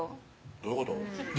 どういうこと？